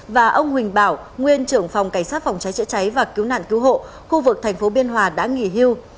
và ông huỳnh bảo nguyên trưởng phòng cảnh sát phòng cháy chữa cháy và cứu nạn cứu hộ khu vực tp biên hòa đã nghỉ hưu